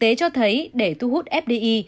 thực tế cho thấy để thu hút fdi